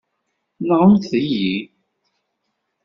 Nɣemt-iyi.